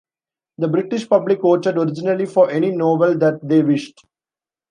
The British public voted originally for any novel that they wished.